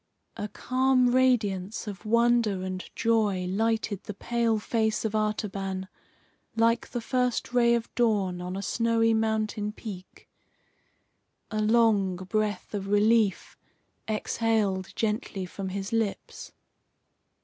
A calm radiance of wonder and joy lighted the pale face of Artaban like the first ray of dawn, on a snowy mountain peak. A long breath of relief exhaled gently from his lips.